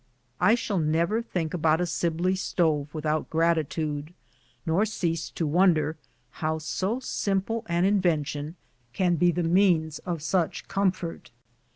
I shall never think about a Sib ley stove without gratitude, nor cease to wonder how so simple an invention can be the means of such comfort.